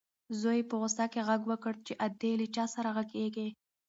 زوی یې په غوسه غږ وکړ چې ادې له چا سره غږېږې؟